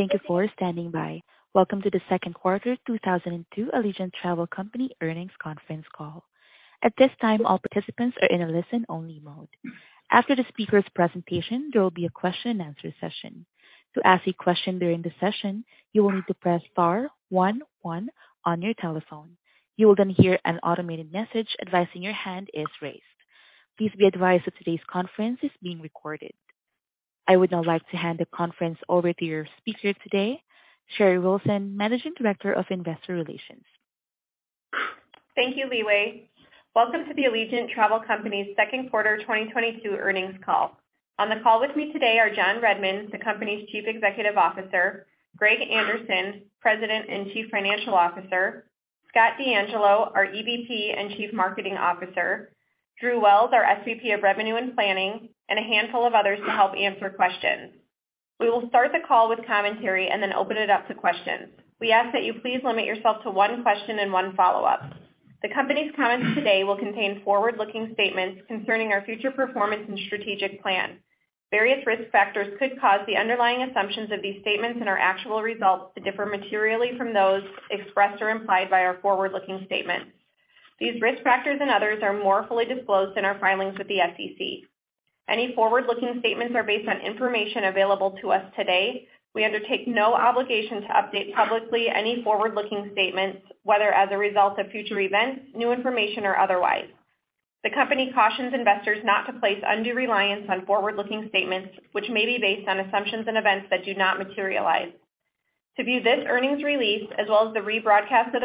Thank you for standing by. Welcome to the second quarter 2022 Allegiant Travel Company earnings conference call. At this time, all participants are in a listen-only mode. After the speaker's presentation, there will be a question and answer session. To ask a question during the session, you will need to press star one one on your telephone. You will then hear an automated message advising your hand is raised. Please be advised that today's conference is being recorded. I would now like to hand the conference over to your speaker today, Sherry Wilson, Managing Director of Investor Relations. Thank you, Leeway. Welcome to the Allegiant Travel Company's second quarter 2022 earnings call. On the call with me today are John Redmond, the Company's Chief Executive Officer, Gregory Anderson, President and Chief Financial Officer, Scott DeAngelo, our EVP and Chief Marketing Officer, Drew Wells, our SVP of Revenue and Planning, and a handful of others to help answer questions. We will start the call with commentary and then open it up to questions. We ask that you please limit yourself to one question and one follow-up. The company's comments today will contain forward-looking statements concerning our future performance and strategic plan. Various risk factors could cause the underlying assumptions of these statements and our actual results to differ materially from those expressed or implied by our forward-looking statements. These risk factors and others are more fully disclosed in our filings with the SEC. Any forward-looking statements are based on information available to us today. We undertake no obligation to update publicly any forward-looking statements, whether as a result of future events, new information, or otherwise. The company cautions investors not to place undue reliance on forward-looking statements, which may be based on assumptions and events that do not materialize. To view this earnings release, as well as the rebroadcast of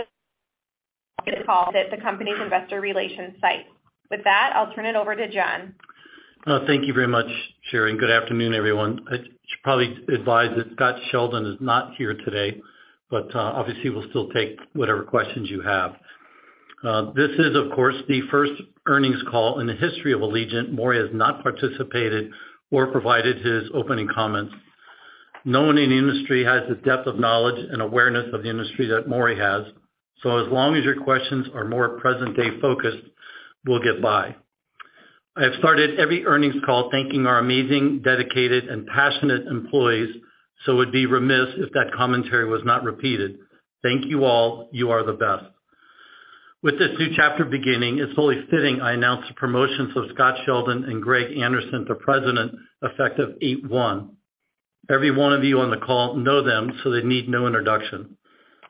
this call at the company's investor relations site. With that, I'll turn it over to John Redmond. Thank you very much, Sherry, and good afternoon, everyone. I should probably advise that Scott Sheldon is not here today, but obviously we'll still take whatever questions you have. This is of course the first earnings call in the history of Allegiant. Maury has not participated or provided his opening comments. No one in the industry has the depth of knowledge and awareness of the industry that Maury has. So as long as your questions are more present day focused, we'll get by. I have started every earnings call thanking our amazing, dedicated and passionate employees, so it'd be remiss if that commentary was not repeated. Thank you all. You are the best. With this new chapter beginning, it's only fitting I announce the promotions of Scott Sheldon and Greg Anderson to President effective 8/1/2022. Every one of you on the call know them, so they need no introduction.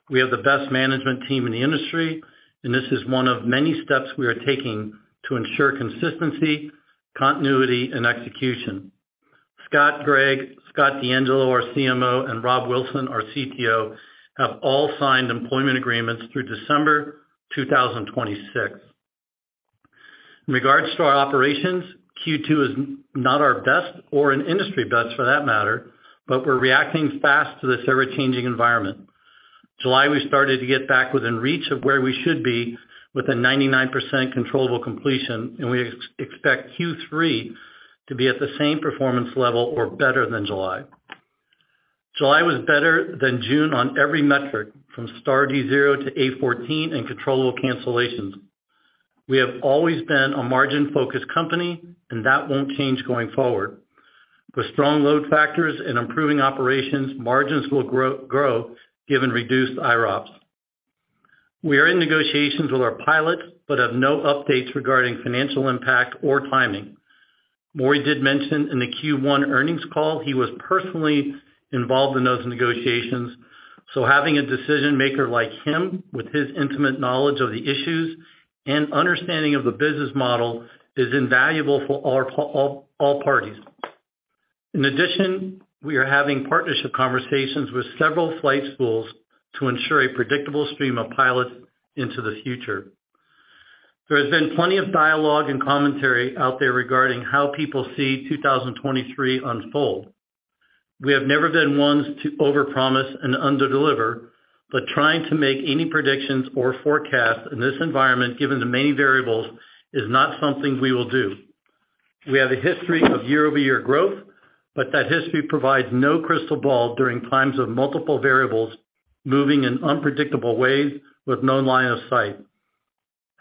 We have the best management team in the industry, and this is one of many steps we are taking to ensure consistency, continuity and execution. Scott, Greg, Scott DeAngelo, our CMO, and Rob Wilson, our CTO, have all signed employment agreements through December 2026. In regards to our operations, Q2 is not our best or an industry best for that matter, but we're reacting fast to this ever-changing environment. July, we started to get back within reach of where we should be with a 99% controllable completion, and we expect Q3 to be at the same performance level or better than July. July was better than June on every metric from Star D0 to A14 and controllable cancellations. We have always been a margin-focused company, and that won't change going forward. With strong load factors and improving operations, margins will grow given reduced IROPS. We are in negotiations with our pilots, but have no updates regarding financial impact or timing. Maury did mention in the Q1 earnings call he was personally involved in those negotiations, so having a decision maker like him with his intimate knowledge of the issues and understanding of the business model is invaluable for all parties. In addition, we are having partnership conversations with several flight schools to ensure a predictable stream of pilots into the future. There has been plenty of dialogue and commentary out there regarding how people see 2023 unfold. We have never been ones to overpromise and underdeliver, but trying to make any predictions or forecasts in this environment, given the many variables, is not something we will do. We have a history of year-over-year growth, but that history provides no crystal ball during times of multiple variables moving in unpredictable ways with no line of sight.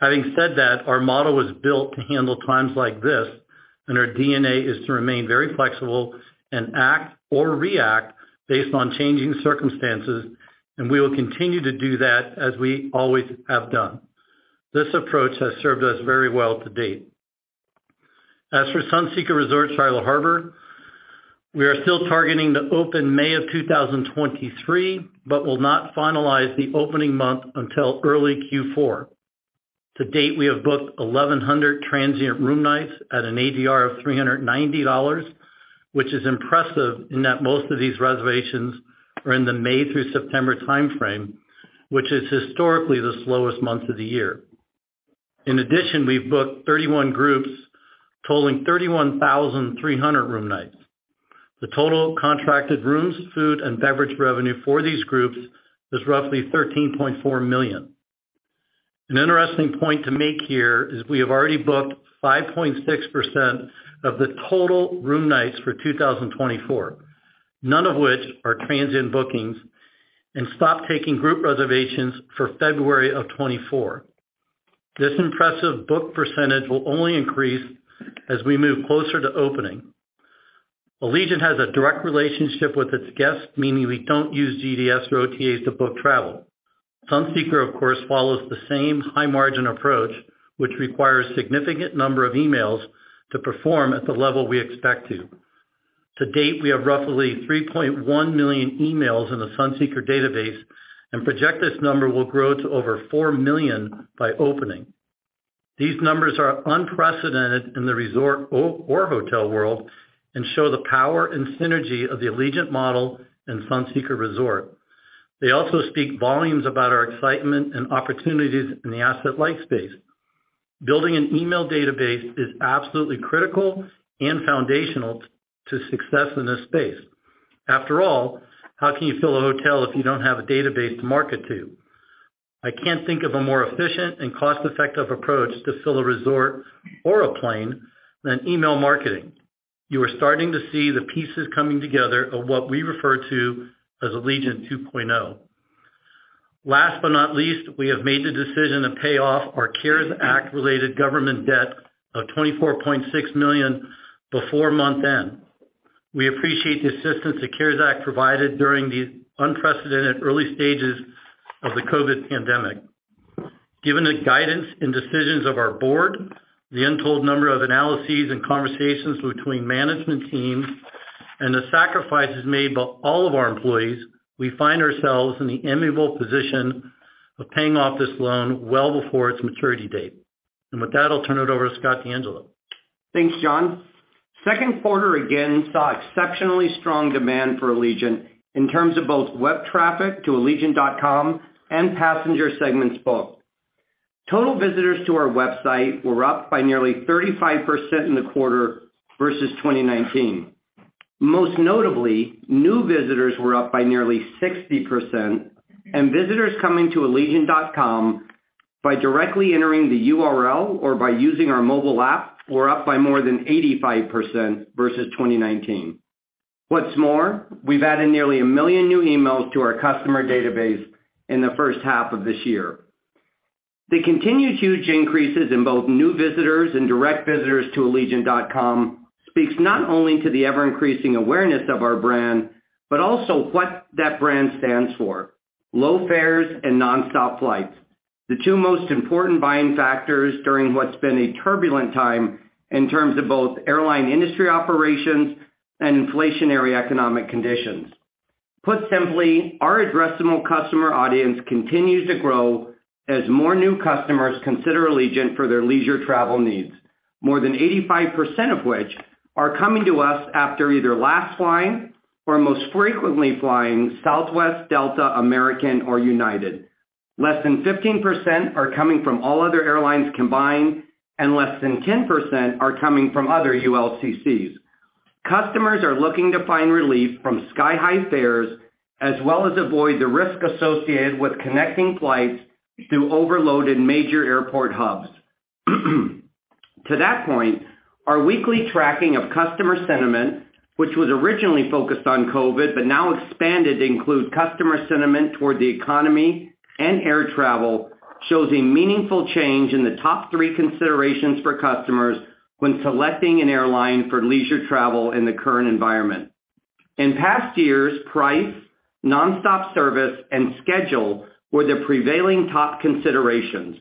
Having said that, our model was built to handle times like this, and our DNA is to remain very flexible and act or react based on changing circumstances, and we will continue to do that as we always have done. This approach has served us very well to date. As for Sunseeker Resort Charlotte Harbor, we are still targeting the opening in May 2023, but will not finalize the opening month until early Q4. To date, we have booked 1,100 transient room nights at an ADR of $390, which is impressive in that most of these reservations are in the May through September timeframe, which is historically the slowest months of the year. In addition, we've booked 31 groups totaling 31,300 room nights. The total contracted rooms, food, and beverage revenue for these groups is roughly $13.4 million. An interesting point to make here is we have already booked 5.6% of the total room nights for 2024, none of which are transient bookings, and stopped taking group reservations for February 2024. This impressive booking percentage will only increase as we move closer to opening. Allegiant has a direct relationship with its guests, meaning we don't use GDS or OTAs to book travel. Sunseeker, of course, follows the same high-margin approach, which requires a significant number of emails to perform at the level we expect to. To date, we have roughly 3.1 million emails in the Sunseeker database and project this number will grow to over four million by opening. These numbers are unprecedented in the resort or hotel world and show the power and synergy of the Allegiant model and Sunseeker Resort. They also speak volumes about our excitement and opportunities in the asset-light space. Building an email database is absolutely critical and foundational to success in this space. After all, how can you fill a hotel if you don't have a database to market to? I can't think of a more efficient and cost-effective approach to fill a resort or a plane than email marketing. You are starting to see the pieces coming together of what we refer to as Allegiant 2.0. Last but not least, we have made the decision to pay off our CARES Act-related government debt of $24.6 million before month-end. We appreciate the assistance the CARES Act provided during these unprecedented early stages of the COVID pandemic. Given the guidance and decisions of our board, the untold number of analyses and conversations between management teams, and the sacrifices made by all of our employees, we find ourselves in the enviable position of paying off this loan well before its maturity date. With that, I'll turn it over to Scott DeAngelo. Thanks, John. Second quarter again saw exceptionally strong demand for Allegiant in terms of both web traffic to allegiant.com and passenger segments booked. Total visitors to our website were up by nearly 35% in the quarter versus 2019. Most notably, new visitors were up by nearly 60% and visitors coming to allegiant.com by directly entering the URL or by using our mobile app were up by more than 85% versus 2019. What's more, we've added nearly a million new emails to our customer database in the first half of this year. The continued huge increases in both new visitors and direct visitors to allegiant.com speaks not only to the ever-increasing awareness of our brand, but also what that brand stands for, low fares and nonstop flights, the two most important buying factors during what's been a turbulent time in terms of both airline industry operations and inflationary economic conditions. Put simply, our addressable customer audience continues to grow as more new customers consider Allegiant for their leisure travel needs, more than 85% of which are coming to us after either last flying or most frequently flying Southwest, Delta, American, or United. Less than 15% are coming from all other airlines combined and less than 10% are coming from other ULCCs. Customers are looking to find relief from sky-high fares as well as avoid the risk associated with connecting flights through overloaded major airport hubs. To that point, our weekly tracking of customer sentiment, which was originally focused on COVID but now expanded to include customer sentiment toward the economy and air travel, shows a meaningful change in the top three considerations for customers when selecting an airline for leisure travel in the current environment. In past years, price, nonstop service, and schedule were the prevailing top considerations.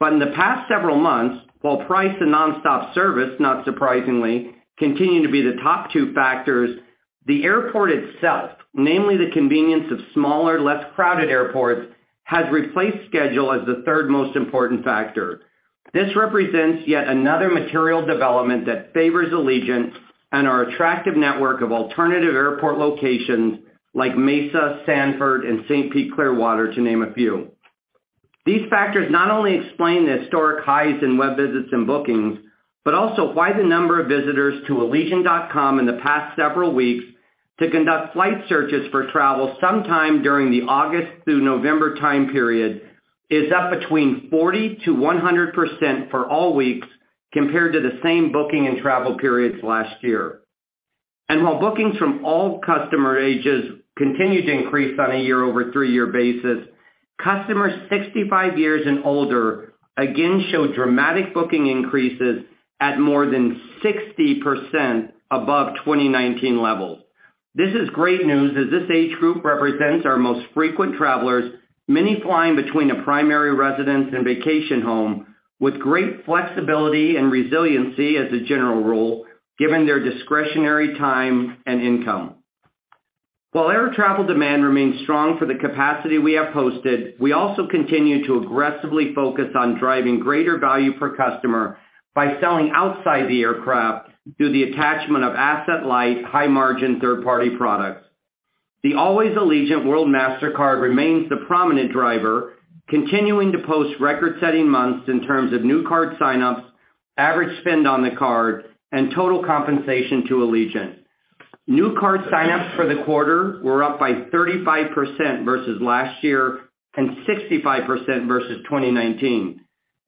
In the past several months, while price and nonstop service, not surprisingly, continue to be the top two factors, the airport itself, namely the convenience of smaller, less crowded airports, has replaced schedule as the third most important factor. This represents yet another material development that favors Allegiant and our attractive network of alternative airport locations like Mesa, Sanford, and St. Pete Clearwater, to name a few. These factors not only explain the historic highs in web visits and bookings, but also why the number of visitors to allegiant.com in the past several weeks to conduct flight searches for travel sometime during the August through November time period is up between 40%-100% for all weeks compared to the same booking and travel periods last year. While bookings from all customer ages continued to increase on a year-over-three-year basis, customers 65 years and older again showed dramatic booking increases at more than 60% above 2019 levels. This is great news as this age group represents our most frequent travelers, many flying between a primary residence and vacation home with great flexibility and resiliency as a general rule, given their discretionary time and income. While air travel demand remains strong for the capacity we have posted, we also continue to aggressively focus on driving greater value per customer by selling outside the aircraft through the attachment of asset-light, high-margin third-party products. The Allways Allegiant World MasterCard remains the prominent driver, continuing to post record-setting months in terms of new card sign-ups, average spend on the card, and total compensation to Allegiant. New card sign-ups for the quarter were up by 35% versus last year and 65% versus 2019,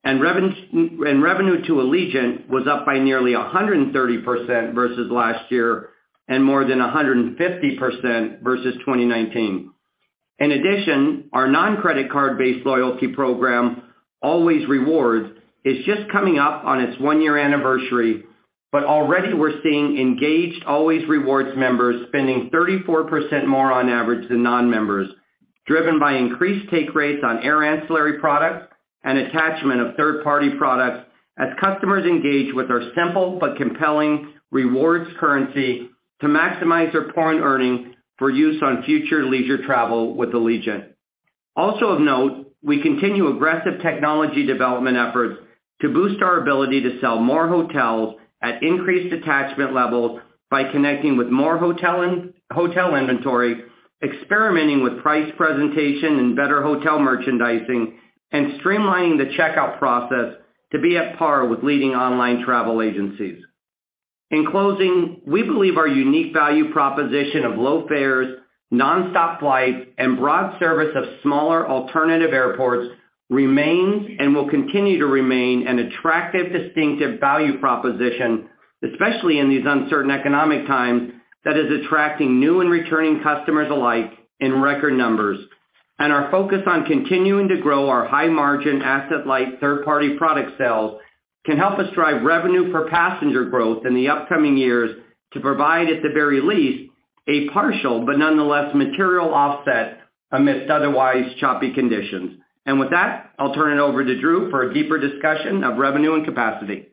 and revenue to Allegiant was up by nearly 130% versus last year and more than 150% versus 2019. In addition, our non-credit card-based loyalty program, Allways Rewards, is just coming up on its one-year anniversary. Already we're seeing engaged Allways Rewards members spending 34% more on average than non-members, driven by increased take rates on air ancillary products and attachment of third-party products as customers engage with our simple but compelling rewards currency to maximize their point earning for use on future leisure travel with Allegiant. Also of note, we continue aggressive technology development efforts to boost our ability to sell more hotels at increased attachment levels by connecting with more hotel inventory, experimenting with price presentation and better hotel merchandising, and streamlining the checkout process to be on par with leading online travel agencies. In closing, we believe our unique value proposition of low fares, nonstop flights, and broad service of smaller alternative airports remains and will continue to remain an attractive, distinctive value proposition, especially in these uncertain economic times, that is attracting new and returning customers alike in record numbers. Our focus on continuing to grow our high margin, asset-light, third-party product sales can help us drive revenue per passenger growth in the upcoming years to provide, at the very least, a partial but nonetheless material offset amidst otherwise choppy conditions. With that, I'll turn it over to Drew for a deeper discussion of revenue and capacity.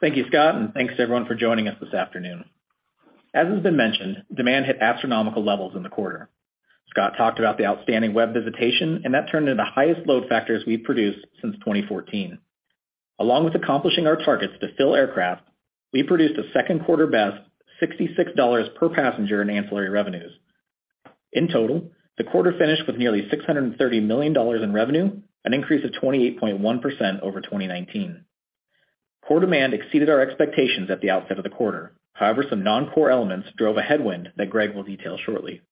Thank you, Scott, and thanks to everyone for joining us this afternoon. As has been mentioned, demand hit astronomical levels in the quarter. Scott talked about the outstanding web visitation, and that turned into the highest load factors we've produced since 2014. Along with accomplishing our targets to fill aircraft, we produced a second quarter best $66 per passenger in ancillary revenues. In total, the quarter finished with nearly $630 million in revenue, an increase of 28.1% over 2019. Core demand exceeded our expectations at the outset of the quarter. However, some non-core elements drove a headwind that Greg will detail shortly.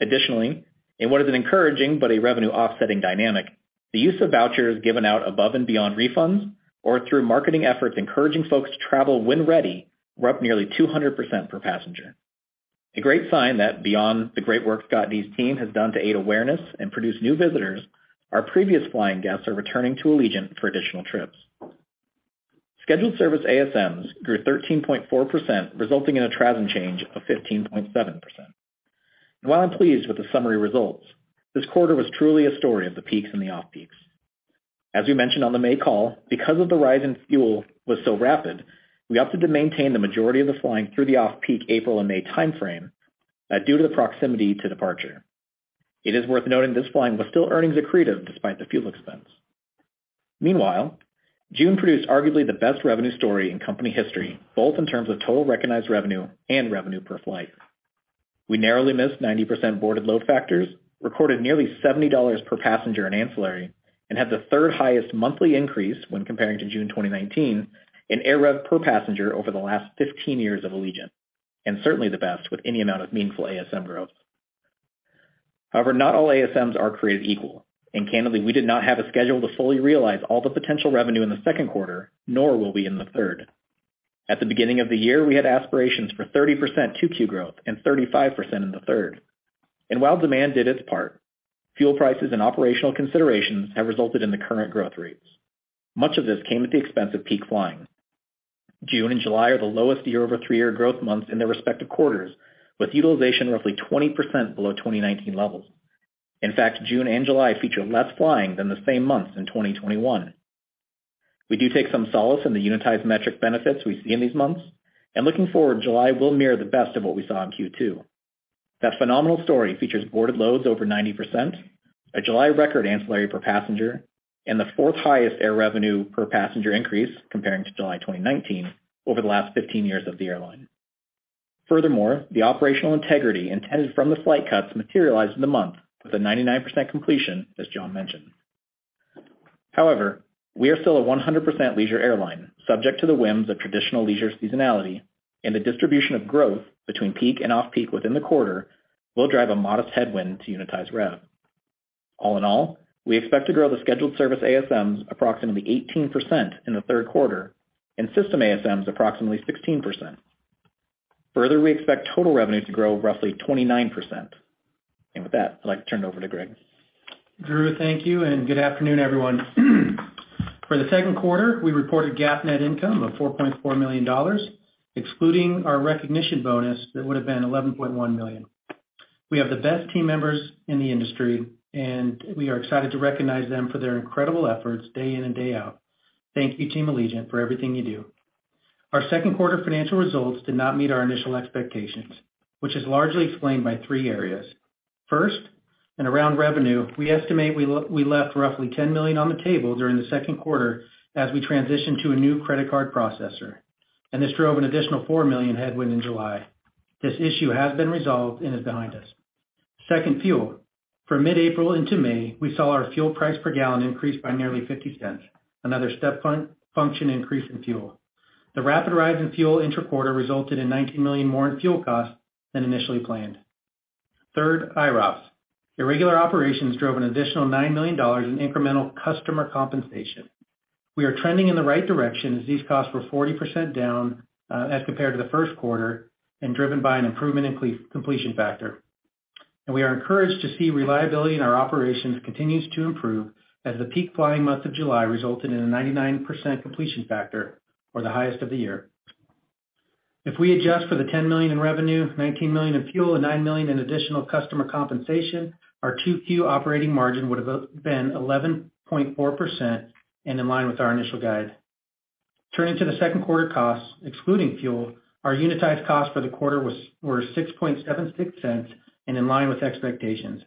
Additionally, in what is an encouraging but a revenue offsetting dynamic, the use of vouchers given out above and beyond refunds or through marketing efforts encouraging folks to travel when ready were up nearly 200% per passenger. A great sign that beyond the great work Scott and his team has done to aid awareness and produce new visitors, our previous flying guests are returning to Allegiant for additional trips. Scheduled service ASMs grew 13.4%, resulting in a TRASM change of 15.7%. While I'm pleased with the summary results, this quarter was truly a story of the peaks and the off-peaks. As we mentioned on the May call, because of the rise in fuel was so rapid, we opted to maintain the majority of the flying through the off-peak April and May timeframe, due to the proximity to departure. It is worth noting this flying was still earnings accretive despite the fuel expense. Meanwhile, June produced arguably the best revenue story in company history, both in terms of total recognized revenue and revenue per flight. We narrowly missed 90% boarded load factors, recorded nearly $70 per passenger in ancillary, and had the third highest monthly increase when comparing to June 2019 in air rev per passenger over the last 15 years of Allegiant, and certainly the best with any amount of meaningful ASM growth. However, not all ASMs are created equal, and candidly, we did not have a schedule to fully realize all the potential revenue in the second quarter, nor will we in the third. At the beginning of the year, we had aspirations for 30% 2Q growth and 35% in the third. While demand did its part, fuel prices and operational considerations have resulted in the current growth rates. Much of this came at the expense of peak flying. June and July are the lowest year-over-year growth months in their respective quarters, with utilization roughly 20% below 2019 levels. In fact, June and July feature less flying than the same months in 2021. We do take some solace in the utilization metric benefits we see in these months, and looking forward, July will mirror the best of what we saw in Q2. That phenomenal story features boarded loads over 90%, a July record ancillary per passenger, and the fourth highest air revenue per passenger increase comparing to July 2019 over the last 15 years of the airline. Furthermore, the operational integrity intended from the flight cuts materialized in the month with a 99% completion, as John mentioned. However, we are still a 100% leisure airline, subject to the whims of traditional leisure seasonality, and the distribution of growth between peak and off-peak within the quarter will drive a modest headwind to unitized rev. All in all, we expect to grow the scheduled service ASMs approximately 18% in the third quarter and system ASMs approximately 16%. Further, we expect total revenue to grow roughly 29%. With that, I'd like to turn it over to Greg. Drew, thank you, and good afternoon, everyone. For the second quarter, we reported GAAP net income of $4.4 million, excluding our recognition bonus that would have been $11.1 million. We have the best team members in the industry, and we are excited to recognize them for their incredible efforts day in and day out. Thank you, Team Allegiant, for everything you do. Our second quarter financial results did not meet our initial expectations, which is largely explained by three areas. First, around revenue, we estimate we left roughly $10 million on the table during the second quarter as we transitioned to a new credit card processor, and this drove an additional $4 million headwind in July. This issue has been resolved and is behind us. Second, fuel. From mid-April into May, we saw our fuel price per gallon increase by nearly $0.50, another step function increase in fuel. The rapid rise in fuel in the quarter resulted in $19 million more in fuel costs than initially planned. Third, IROPS. Irregular operations drove an additional $9 million in incremental customer compensation. We are trending in the right direction as these costs were 40% down as compared to the first quarter and driven by an improvement in completion factor. We are encouraged to see reliability in our operations continues to improve as the peak flying month of July resulted in a 99% completion factor or the highest of the year. If we adjust for the $10 million in revenue, $19 million in fuel, and $9 million in additional customer compensation, our 2Q operating margin would have been 11.4% and in line with our initial guide. Turning to the second quarter costs, excluding fuel, our unit costs for the quarter were $0.0676 and in line with expectations.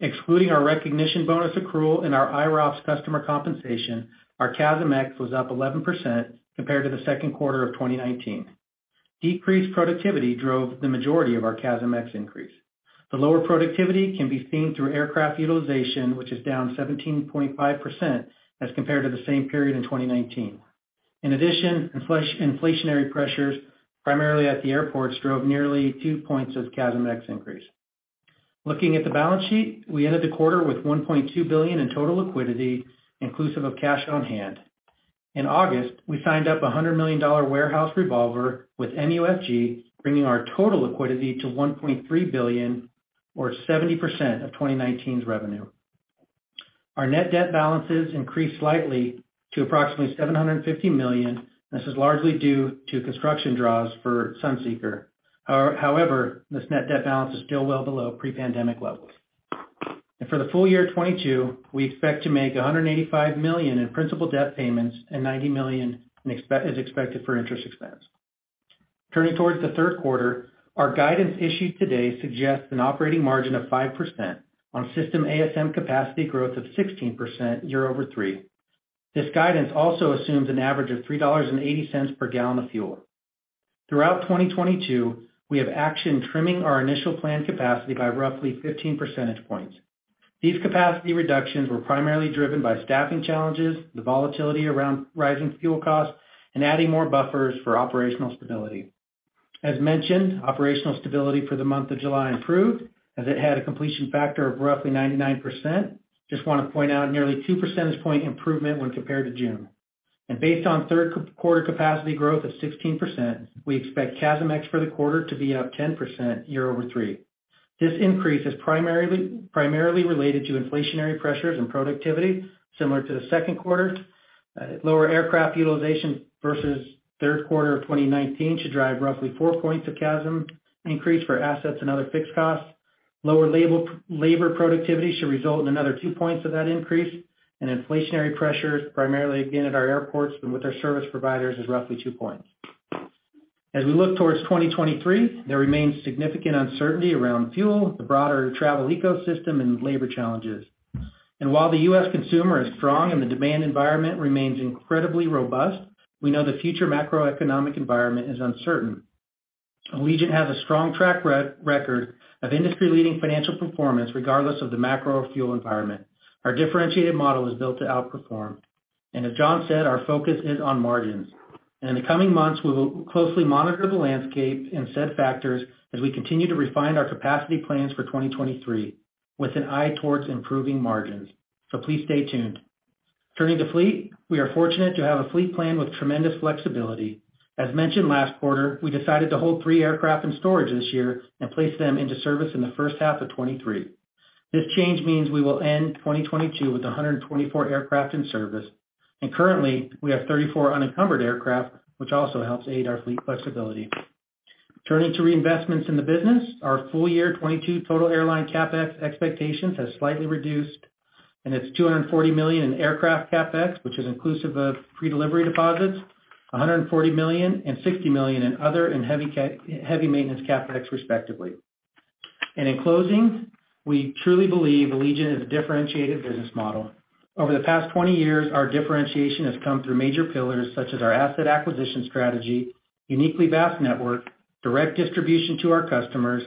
Excluding our recognition bonus accrual and our IROPS customer compensation, our CASM-ex was up 11% compared to the second quarter of 2019. Decreased productivity drove the majority of our CASM-ex increase. The lower productivity can be seen through aircraft utilization, which is down 17.5% as compared to the same period in 2019. In addition, inflationary pressures, primarily at the airports, drove nearly 2 points of CASM-ex increase. Looking at the balance sheet, we ended the quarter with $1.2 billion in total liquidity, inclusive of cash on hand. In August, we signed up a $100 million warehouse revolver with MUFG, bringing our total liquidity to $1.3 billion or 70% of 2019's revenue. Our net debt balances increased slightly to approximately $750 million. This is largely due to construction draws for Sunseeker. However, this net debt balance is still well below pre-pandemic levels. For the full year 2022, we expect to make $185 million in principal debt payments and $90 million is expected for interest expense. Turning towards the third quarter, our guidance issued today suggests an operating margin of 5% on system ASM capacity growth of 16% year-over-year. This guidance also assumes an average of $3.80 per gallon of fuel. Throughout 2022, we have action trimming our initial planned capacity by roughly 15 percentage points. These capacity reductions were primarily driven by staffing challenges, the volatility around rising fuel costs, and adding more buffers for operational stability. Operational stability for the month of July improved, as it had a completion factor of roughly 99%. Just wanna point out nearly 2 percentage point improvement when compared to June. Based on third quarter capacity growth of 16%, we expect CASM-ex for the quarter to be up 10% year-over-year. This increase is primarily related to inflationary pressures and productivity, similar to the second quarter. Lower aircraft utilization versus third quarter of 2019 should drive roughly 4 points of CASM increase for assets and other fixed costs. Lower labor productivity should result in another 2 points of that increase, and inflationary pressures, primarily again at our airports and with our service providers, is roughly 2 points. As we look towards 2023, there remains significant uncertainty around fuel, the broader travel ecosystem, and labor challenges. While the U.S. consumer is strong and the demand environment remains incredibly robust, we know the future macroeconomic environment is uncertain. Allegiant has a strong track record of industry-leading financial performance, regardless of the macro or fuel environment. Our differentiated model is built to outperform. As John said, our focus is on margins. In the coming months, we'll closely monitor the landscape and such factors as we continue to refine our capacity plans for 2023 with an eye towards improving margins. Please stay tuned. Turning to fleet, we are fortunate to have a fleet plan with tremendous flexibility. As mentioned last quarter, we decided to hold three aircraft in storage this year and place them into service in the first half of 2023. This change means we will end 2022 with 124 aircraft in service. Currently, we have 34 unencumbered aircraft, which also helps aid our fleet flexibility. Turning to reinvestments in the business, our full year 2022 total airline CapEx expectations has slightly reduced, and it's $240 million in aircraft CapEx, which is inclusive of predelivery deposits, $140 million and $60 million in other and heavy maintenance CapEx respectively. In closing, we truly believe Allegiant is a differentiated business model. Over the past 20 years, our differentiation has come through major pillars such as our asset acquisition strategy, uniquely vast network, direct distribution to our customers,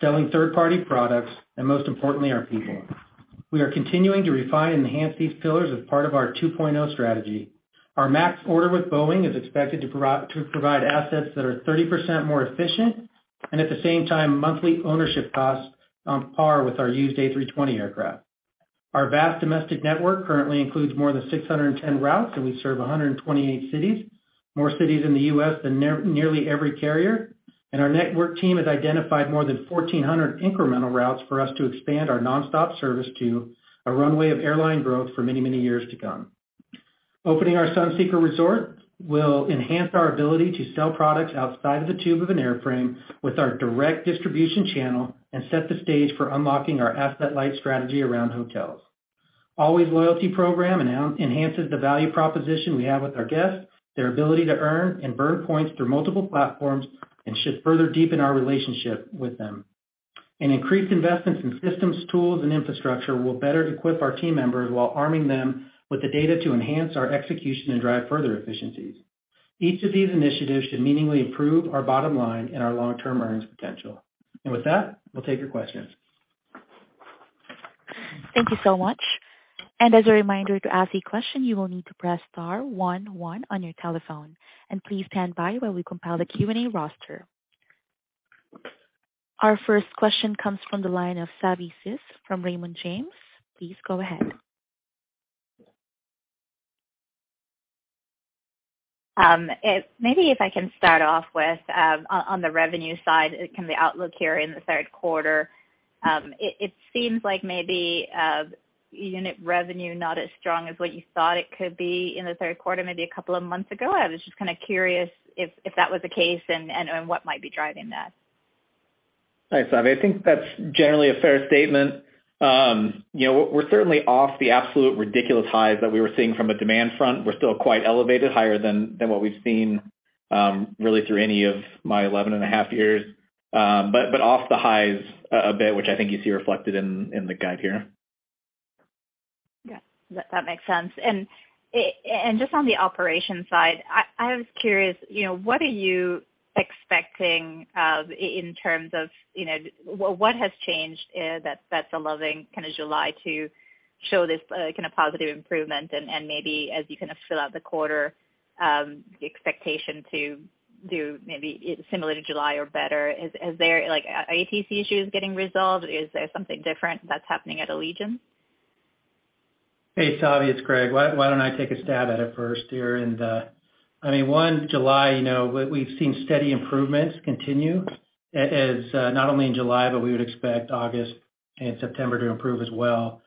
selling third-party products, and most importantly, our people. We are continuing to refine and enhance these pillars as part of our 2.0 strategy. Our MAX order with Boeing is expected to provide assets that are 30% more efficient and at the same time, monthly ownership costs on par with our used A320 aircraft. Our vast domestic network currently includes more than 610 routes, and we serve 128 cities, more cities in the U.S. than nearly every carrier. Our network team has identified more than 1,400 incremental routes for us to expand our nonstop service to a runway of airline growth for many, many years to come. Opening our Sunseeker Resort will enhance our ability to sell products outside of the tube of an airframe with our direct distribution channel and set the stage for unlocking our asset-light strategy around hotels. Allways Loyalty program enhances the value proposition we have with our guests, their ability to earn and burn points through multiple platforms, and should further deepen our relationship with them. Increased investments in systems, tools, and infrastructure will better equip our team members while arming them with the data to enhance our execution and drive further efficiencies. Each of these initiatives should meaningfully improve our bottom line and our long-term earnings potential. With that, we'll take your questions. Thank you so much. As a reminder, to ask a question, you will need to press star one one on your telephone. Please stand by while we compile the Q&A roster. Our first question comes from the line of Savanthi Syth from Raymond James. Please go ahead. Maybe if I can start off with, on the revenue side, the outlook here in the third quarter. It seems like maybe, unit revenue not as strong as what you thought it could be in the third quarter, maybe a couple of months ago. I was just kinda curious if that was the case and what might be driving that. Thanks, Savi. I think that's generally a fair statement. You know, we're certainly off the absolute ridiculous highs that we were seeing from a demand front. We're still quite elevated higher than what we've seen, really through any of my 11.5 years. But off the highs a bit, which I think you see reflected in the guide here. Yeah, that makes sense. Just on the operations side, I was curious, you know, what are you expecting in terms of, you know, what has changed, that's allowing kinda July to show this, kinda positive improvement and maybe as you kind of fill out the quarter, the expectation to do maybe similar to July or better, is there like, ATC issues getting resolved? Is there something different that's happening at Allegiant? Hey, Savi, it's Greg. Why don't I take a stab at it first here? I mean, one, July, you know, we've seen steady improvements continue as not only in July, but we would expect August and September to improve as well.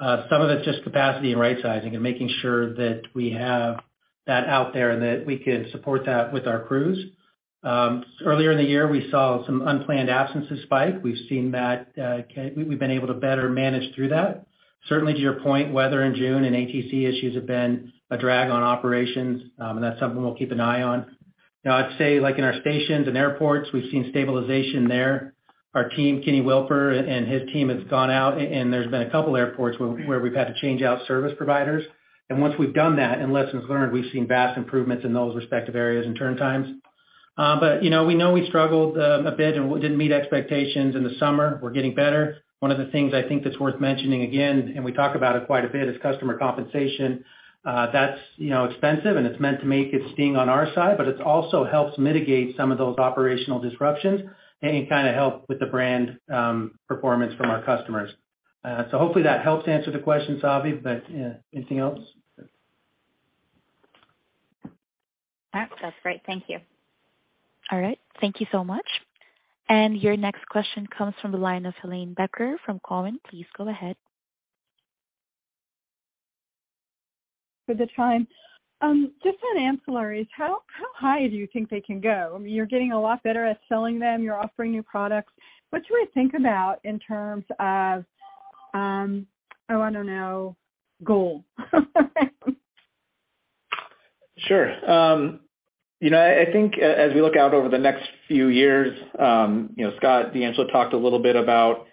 Some of it's just capacity and rightsizing and making sure that we have that out there and that we can support that with our crews. Earlier in the year, we saw some unplanned absences spike. We've seen that we've been able to better manage through that. Certainly, to your point, weather in June and ATC issues have been a drag on operations, and that's something we'll keep an eye on. Now, I'd say like in our stations and airports, we've seen stabilization there. Our team, Keny Wilper and his team, has gone out and there's been a couple airports where we've had to change out service providers. Once we've done that and lessons learned, we've seen vast improvements in those respective areas and turn times. You know, we know we struggled a bit and didn't meet expectations in the summer. We're getting better. One of the things I think that's worth mentioning again, and we talk about it quite a bit, is customer compensation. That's, you know, expensive, and it's meant to make it sting on our side, but it also helps mitigate some of those operational disruptions and can kinda help with the brand performance from our customers. Hopefully that helps answer the question, Savi, but anything else? That's great. Thank you. All right. Thank you so much. Your next question comes from the line of Helane Becker from Cowen. Please go ahead. Just on ancillaries, how high do you think they can go? You're getting a lot better at selling them. You're offering new products. What should we think about in terms of, I wanna know, goal? Sure. You know, I think as we look out over the next few years, you know, Scott DeAngelo talked a little bit about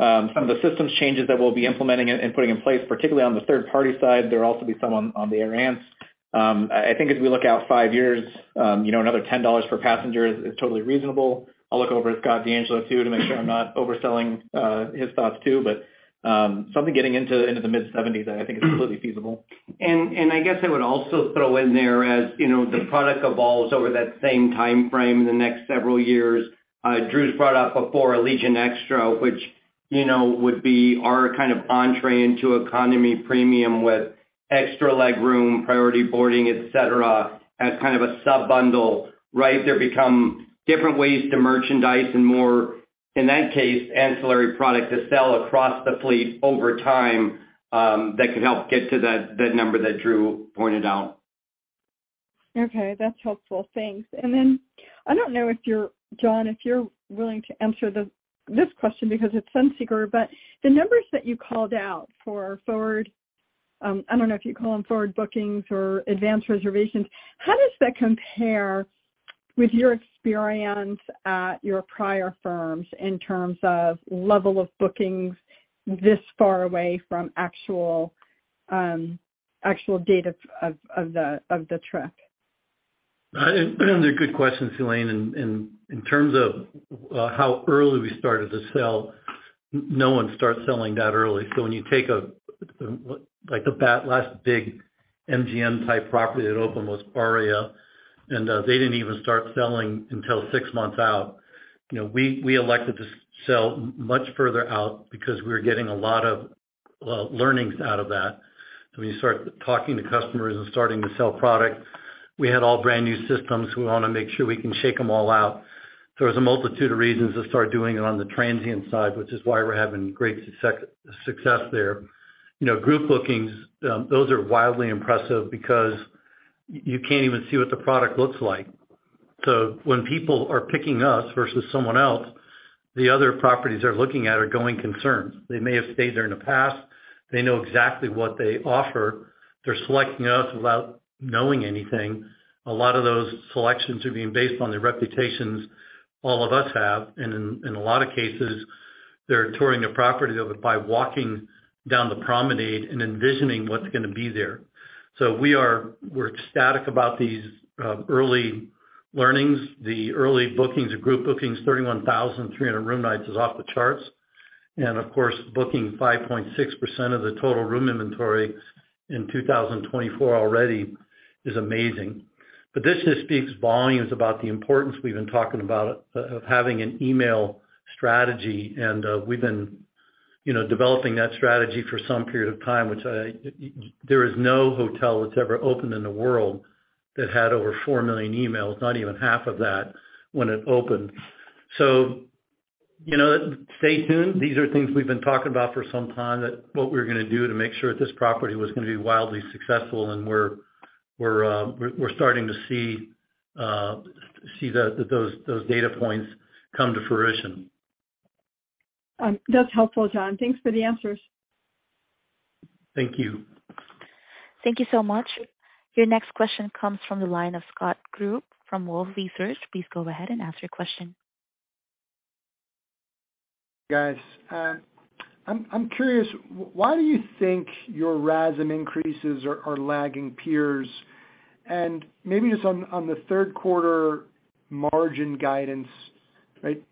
some of the systems changes that we'll be implementing and putting in place, particularly on the third-party side. There'll also be some on the air ads. I think as we look out five years, you know, another $10 per passenger is totally reasonable. I'll look over at Scott DeAngelo too, to make sure I'm not overselling his thoughts too. Something getting into the mid-seventies, I think is completely feasible. I guess I would also throw in there as, you know, the product evolves over that same timeframe in the next several years, Drew's brought up before Allegiant Extra, which, you know, would be our kind of entree into economy premium with extra leg room, priority boarding, et cetera, as kind of a sub-bundle, right? There become different ways to merchandise and more, in that case, ancillary product to sell across the fleet over time, that could help get to that number that Drew pointed out. Okay. That's helpful. Thanks. I don't know if you're willing, John, to answer this question because it's sensitive, but the numbers that you called out for forward, I don't know if you call them forward bookings or advanced reservations, how does that compare with your experience at your prior firms in terms of level of bookings this far away from actual date of the trip? They're good questions, Helane. In terms of how early we started to sell, no one starts selling that early. When you take a, like the last big MGM type property that opened was Aria, and they didn't even start selling until six months out. You know, we elected to sell much further out because we were getting a lot of, well, learnings out of that. When you start talking to customers and starting to sell product, we had all brand-new systems. We wanna make sure we can shake them all out. There's a multitude of reasons to start doing it on the transient side, which is why we're having great success there. You know, group bookings, those are wildly impressive because you can't even see what the product looks like. When people are picking us versus someone else, the other properties they're looking at are going concerns. They may have stayed there in the past. They know exactly what they offer. They're selecting us without knowing anything. A lot of those selections are being based on the reputations all of us have, and in a lot of cases, they're touring the property of it by walking down the promenade and envisioning what's gonna be there. We're ecstatic about these early learnings. The early bookings or group bookings, 31,300 room nights is off the charts. Booking 5.6% of the total room inventory in 2024 already is amazing. This just speaks volumes about the importance we've been talking about of having an email strategy. We've been, you know, developing that strategy for some period of time. There is no hotel that's ever opened in the world that had over 4 million emails, not even half of that, when it opened. You know, stay tuned. These are things we've been talking about for some time, that what we're gonna do to make sure that this property was gonna be wildly successful, and we're starting to see those data points come to fruition. That's helpful, John. Thanks for the answers. Thank you. Thank you so much. Your next question comes from the line of Scott Group from Wolfe Research. Please go ahead and ask your question. Guys, I'm curious, why do you think your RASM increases are lagging peers? Maybe just on the third quarter margin guidance, right?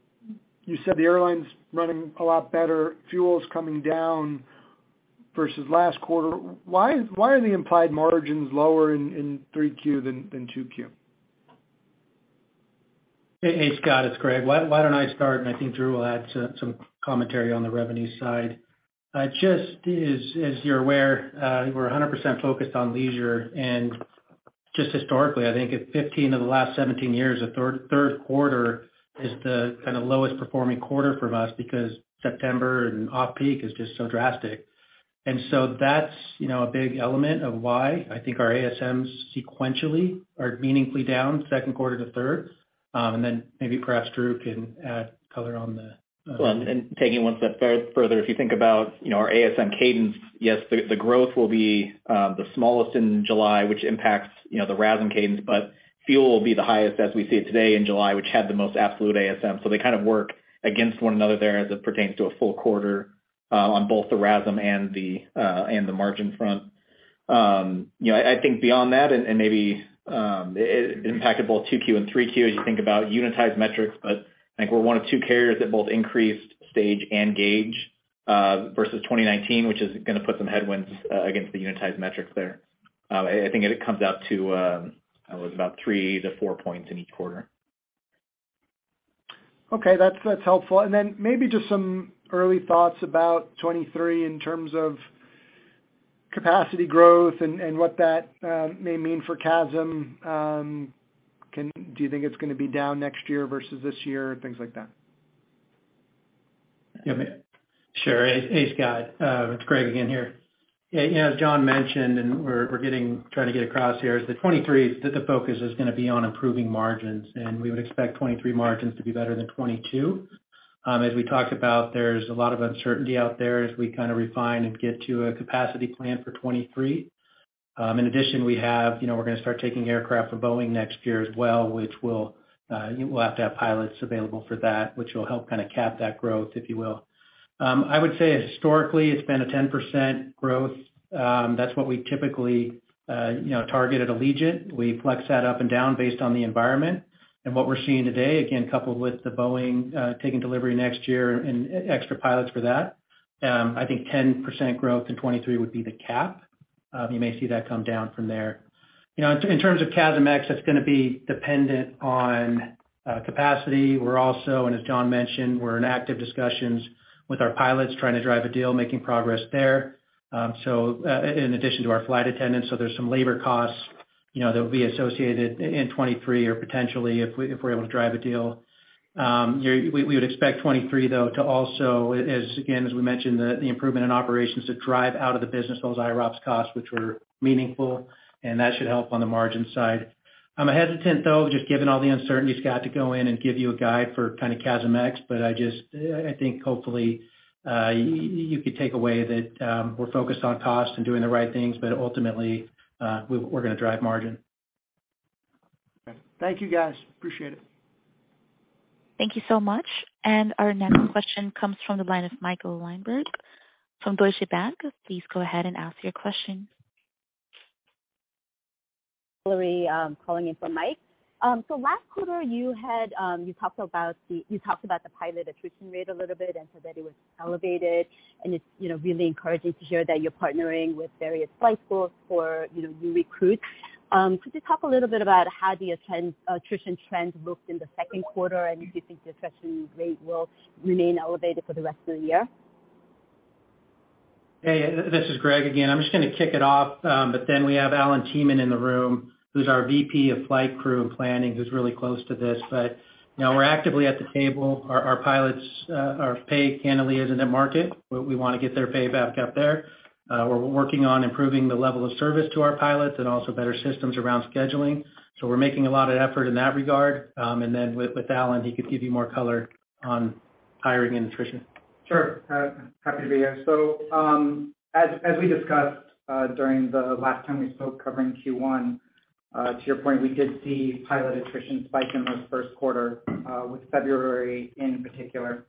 You said the airline's running a lot better, fuel is coming down versus last quarter. Why are the implied margins lower in 3Q than 2Q? Hey, Scott, it's Greg. Why don't I start, and I think Drew will add some commentary on the revenue side. Just as you're aware, we're 100% focused on leisure. Just historically, I think in 15 of the last 17 years, the third quarter is the kind of lowest performing quarter for us because September and off-peak is just so drastic. That's, you know, a big element of why I think our ASMs sequentially are meaningfully down second quarter to third quarter. Maybe perhaps Drew can add color on the, Taking it one step further, if you think about, you know, our ASM cadence, yes, the growth will be the smallest in July, which impacts, you know, the RASM cadence, but fuel will be the highest as we see it today in July, which had the most absolute ASM. They kind of work against one another there as it pertains to a full quarter, on both the RASM and the margin front. I think beyond that and maybe impacted both 2Q and 3Q, as you think about unitized metrics, but I think we're one of two carriers that both increased stage and gauge versus 2019, which is gonna put some headwinds against the unitized metrics there.I think it comes out to about 3-4 points in each quarter. Okay. That's helpful. Then maybe just some early thoughts about 2023 in terms of capacity growth and what that may mean for CASM. Do you think it's gonna be down next year versus this year? Things like that. Yeah. Sure. Hey, Scott. It's Greg again here. Yeah. You know, as John mentioned, we're trying to get across here is that 2023, the focus is gonna be on improving margins, and we would expect 2023 margins to be better than 2022. As we talked about, there's a lot of uncertainty out there as we kind of refine and get to a capacity plan for 2023. In addition, you know, we're gonna start taking aircraft from Boeing next year as well, which we'll have to have pilots available for that, which will help kind of cap that growth, if you will. I would say historically, it's been a 10% growth. That's what we typically, you know, target at Allegiant. We flex that up and down based on the environment. What we're seeing today, again, coupled with the Boeing taking delivery next year and extra pilots for that, I think 10% growth in 2023 would be the cap. You may see that come down from there. You know, in terms of CASM-ex, that's gonna be dependent on capacity. We're also, as John mentioned, we're in active discussions with our pilots trying to drive a deal, making progress there. In addition to our flight attendants, there's some labor costs, you know, that will be associated in 2023 or potentially if we're able to drive a deal. We would expect 2023, though, to also, as we mentioned, the improvement in operations to drive out of the business those IROPS costs, which were meaningful, and that should help on the margin side. I'm hesitant, though, just given all the uncertainty, Scott, to go in and give you a guide for kind of CASM-ex, but I just think hopefully, you could take away that, we're focused on cost and doing the right things, but ultimately, we're gonna drive margin. Okay. Thank you, guys. Appreciate it. Thank you so much. Our next question comes from the line of Michael Linenberg from Deutsche Bank. Please go ahead and ask your question. Hilary, calling in for Mike. Last quarter, you talked about the pilot attrition rate a little bit and said that it was elevated, and it's, you know, really encouraging to hear that you're partnering with various flight schools for, you know, new recruits. Could you talk a little bit about how the attrition trends looked in the second quarter, and do you think the attrition rate will remain elevated for the rest of the year? Hey, this is Greg again. I'm just gonna kick it off, but then we have Allen Thieman in the room, who's our VP of Flight Crew and Planning, who's really close to this. You know, we're actively at the table. Our pilots' pay candidly isn't at market. We wanna get their pay back up there. We're working on improving the level of service to our pilots and also better systems around scheduling. We're making a lot of effort in that regard. Then with Allen, he could give you more color on hiring and attrition. Sure. Happy to be here. As we discussed during the last time we spoke covering Q1, to your point, we did see pilot attrition spike in the first quarter, with February in particular.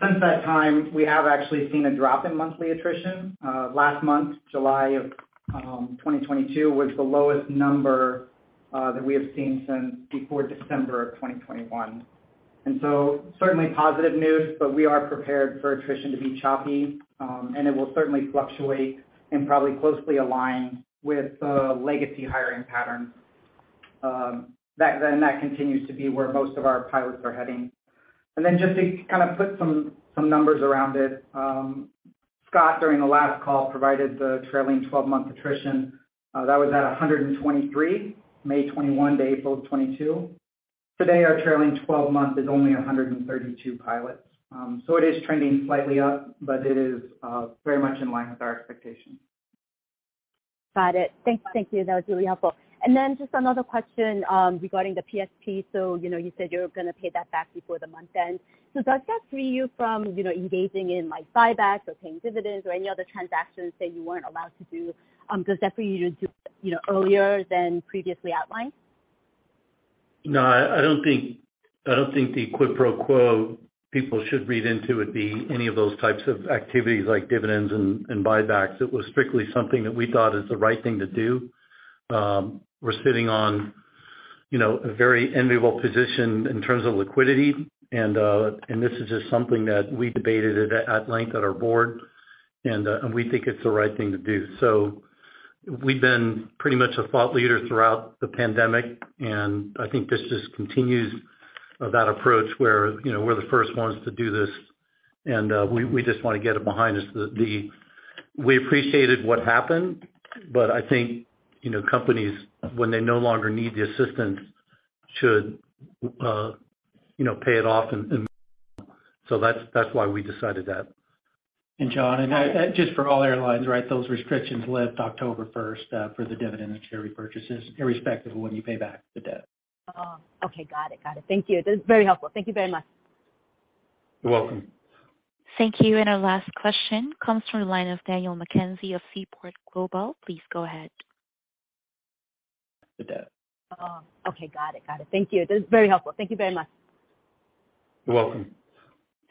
Since that time, we have actually seen a drop in monthly attrition. Last month, July of 2022, was the lowest number that we have seen since before December of 2021. Certainly positive news, but we are prepared for attrition to be choppy, and it will certainly fluctuate and probably closely align with the legacy hiring patterns, that continues to be where most of our pilots are heading. Just to kind of put some numbers around it, Scott, during the last call, provided the trailing 12-month attrition that was at 123, May 2021 to April 2022. Today, our trailing 12-month is only 132 pilots. It is trending slightly up, but it is very much in line with our expectations. Got it. Thank you. That was really helpful. Then just another question regarding the PSP. You know, you said you were gonna pay that back before the month end. Does that free you from, you know, engaging in like buybacks or paying dividends or any other transactions that you weren't allowed to do? Does that free you to do, you know, earlier than previously outlined? No, I don't think the quid pro quo people should read into would be any of those types of activities like dividends and buybacks. It was strictly something that we thought is the right thing to do. We're sitting on, you know, a very enviable position in terms of liquidity, and this is just something that we debated at length at our board, and we think it's the right thing to do. We've been pretty much a thought leader throughout the pandemic, and I think this just continues that approach where, you know, we're the first ones to do this and we just wanna get it behind us. We appreciated what happened, but I think, you know, companies when they no longer need the assistance should, you know, pay it off and so that's why we decided that. John, just for all airlines, right, those restrictions lift October 1st, for the dividend and share repurchases, irrespective of when you pay back the debt. Oh, okay. Got it. Thank you. This is very helpful. Thank you very much. You're welcome.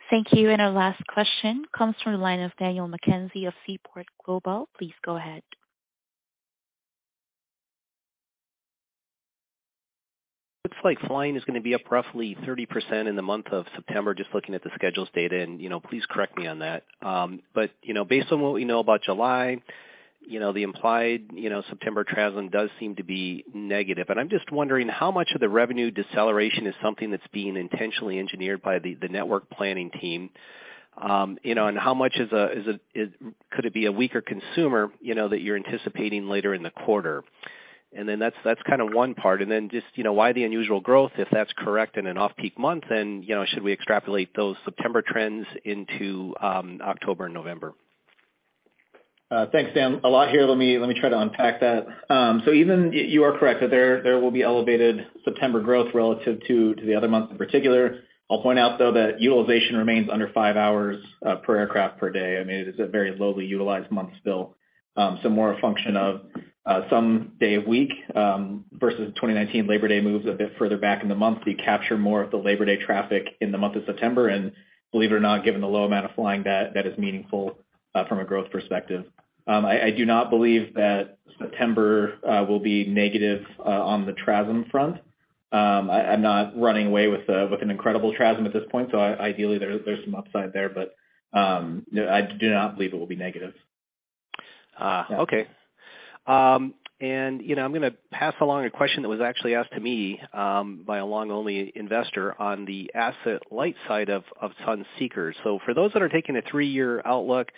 Thank you. Our last question comes from the line of Daniel McKenzie of Seaport Global. Please go ahead. The debt. Oh, okay. Got it. Thank you. This is very helpful. Thank you very much. You're welcome. Thank you. Our last question comes from the line of Daniel McKenzie of Seaport Global. Please go ahead. Looks like flying is gonna be up roughly 30% in the month of September, just looking at the schedules data and, you know, please correct me on that. You know, based on what we know about July, you know, the implied, you know, September traveling does seem to be negative, and I'm just wondering how much of the revenue deceleration is something that's being intentionally engineered by the network planning team, you know, and how much could it be a weaker consumer, you know, that you're anticipating later in the quarter. Then that's kinda one part. Then just, you know, why the unusual growth, if that's correct, in an off-peak month and, you know, should we extrapolate those September trends into October and November? Thanks, Dan. A lot here. Let me try to unpack that. Even you are correct that there will be elevated September growth relative to the other months in particular. I'll point out, though, that utilization remains under five hours per aircraft per day. I mean, it is a very lowly utilized month still. More a function of some day-of-week versus 2019 Labor Day moves a bit further back in the month. We capture more of the Labor Day traffic in the month of September, and believe it or not, given the low amount of flying that is meaningful from a growth perspective. I do not believe that September will be negative on the travel front. I'm not running away with Allegiant Travel at this point, so ideally there's some upside there, but I do not believe it will be negative. You know, I'm gonna pass along a question that was actually asked to me by a long-only investor on the asset light side of Sunseeker. For those that are taking a three-year outlook,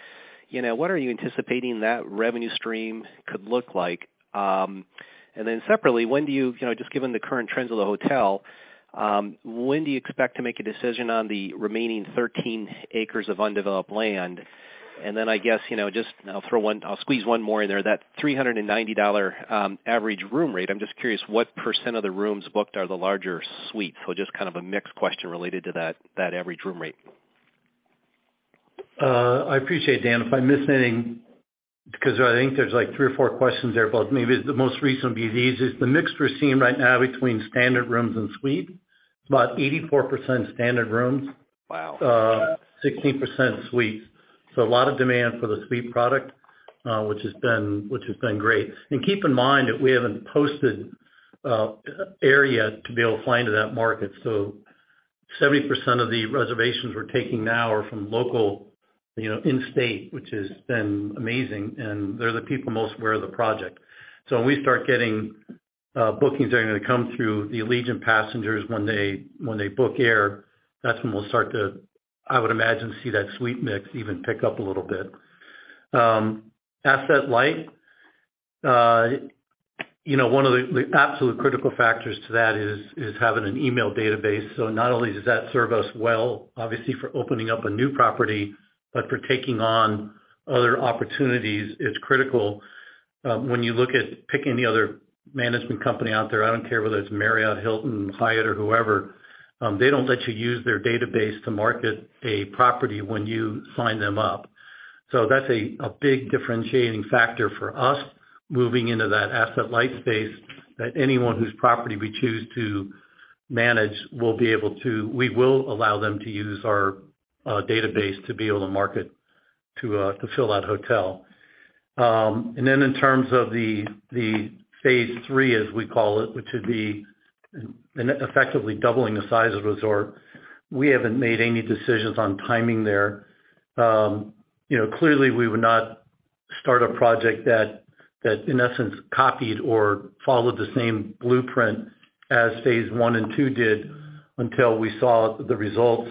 you know, what are you anticipating that revenue stream could look like? Then separately, when do you know, just given the current trends of the hotel, when do you expect to make a decision on the remaining 13 acres of undeveloped land? I guess, you know, I'll squeeze one more in there. That $390 average room rate, I'm just curious what percent of the rooms booked are the larger suites. Just kind of a mixed question related to that average room rate. I appreciate it, Dan. If I'm missing anything because I think there's like three or four questions there, but maybe the most recent of these is the mix we're seeing right now between standard rooms and suites, about 84% standard rooms. Wow. 16% suites. A lot of demand for the suite product, which has been great. Keep in mind that we haven't posted airfare to be able to fly into that market. Seventy percent of the reservations we're taking now are from local, you know, in-state, which has been amazing, and they're the people most aware of the project. When we start getting bookings that are gonna come through the Allegiant passengers when they book air, that's when we'll start to, I would imagine, see that suite mix even pick up a little bit. Asset light. You know, one of the absolute critical factors to that is having an email database. Not only does that serve us well, obviously, for opening up a new property, but for taking on other opportunities, it's critical. When you look at picking the other management company out there, I don't care whether it's Marriott, Hilton, Hyatt, or whoever, they don't let you use their database to market a property when you sign them up. That's a big differentiating factor for us moving into that asset light space that anyone whose property we choose to manage will be able to. We will allow them to use our database to be able to market to fill that hotel. In terms of the phase three, as we call it, which is effectively doubling the size of the resort, we haven't made any decisions on timing there. You know, clearly we would not start a project that, in essence, copied or followed the same blueprint as phase one and two did until we saw the results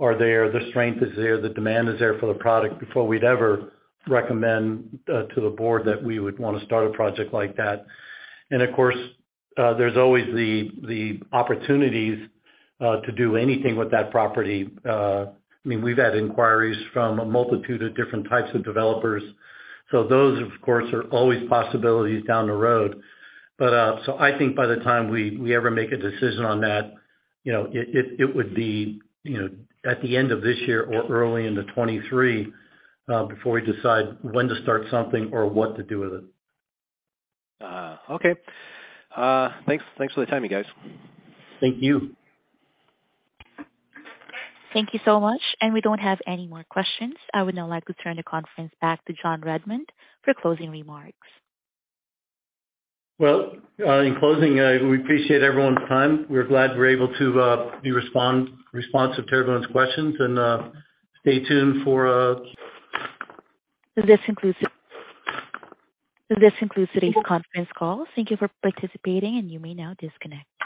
are there, the strength is there, the demand is there for the product before we'd ever recommend to the board that we would wanna start a project like that. Of course, there's always the opportunities to do anything with that property. I mean, we've had inquiries from a multitude of different types of developers. Those, of course, are always possibilities down the road. I think by the time we ever make a decision on that, you know, it would be, you know, at the end of this year or early into 2023, before we decide when to start something or what to do with it. Okay. Thanks for the time, you guys. Thank you. Thank you so much. We don't have any more questions. I would now like to turn the conference back to John Redmond for closing remarks. Well, in closing, we appreciate everyone's time. We're glad we're able to be responsive to everyone's questions and stay tuned for This concludes today's conference call. Thank you for participating, and you may now disconnect.